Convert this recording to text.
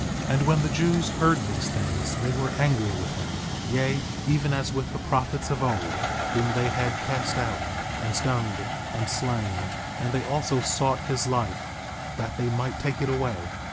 1:20 And when the Jews heard these things they were angry with him; yea, even as with the prophets of old, whom they had cast out, and stoned, and slain; and they also sought his life, that they might take it away.